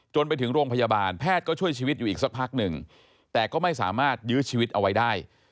ไปถึงโรงพยาบาลแพทย์ก็ช่วยชีวิตอยู่อีกสักพักหนึ่งแต่ก็ไม่สามารถยื้อชีวิตเอาไว้ได้